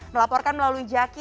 melaporkan melalui zaki